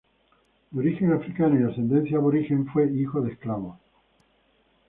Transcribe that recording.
De origen africano y ascendencia aborigen, fue hijo de esclavos.